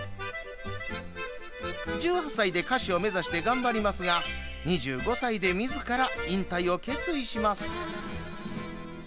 １８歳で歌手を目指して頑張りますが２５歳でみずから引退を決意します。